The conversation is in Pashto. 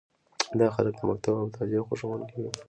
دا خلک د مکتب او مطالعې خوښوونکي وي.